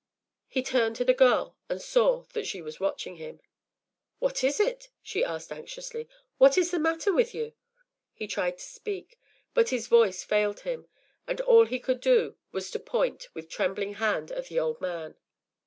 He turned to the girl, and saw that she was watching him. “What is it?” she asked anxiously. “What is the matter with you?” He tried to speak, but his voice failed him, and all he could do was to point with trembling hand to the old man.